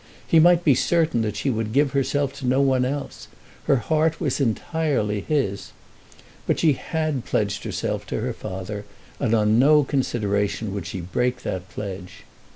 He might be certain that she would give herself to no one else. Her heart was entirely his. But she had pledged herself to her father, and on no consideration would she break that pledge.